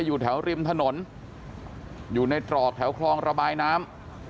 อยู่แถวริมถนนอยู่ในตรอกแถวคลองระบายน้ำ